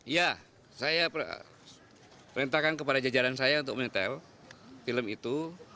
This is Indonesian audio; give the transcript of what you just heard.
ya saya perintahkan kepada jajaran saya untuk menetel film itu